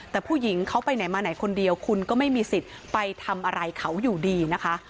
แต่ผู้หญิงเขาไปไหนมาไหนคนเดียวคุณก็ไม่มีสิทธิ์ไปทำอะไรเขาอยู่ดีนะคะ